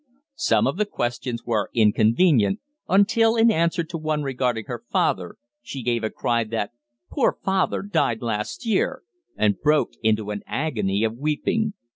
Some of the questions were inconvenient until, in answer to one regarding her father, she gave a cry that "Poor father died last year," and broke into an agony of weeping.